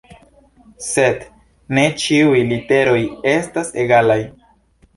Sed ne ĉiuj literoj estas egalaj.